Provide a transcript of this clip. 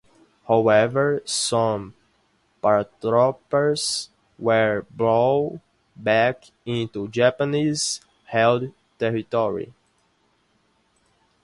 However, some paratroopers were blown back into Japanese held territory.